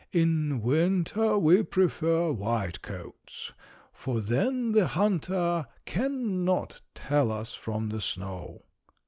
In winter we prefer white coats, for then the hunter can not tell us from the snow."